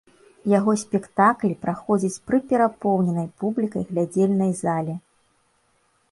Яго спектаклі праходзяць пры перапоўненай публікай глядзельнай зале.